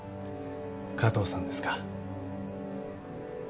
加藤さんですか？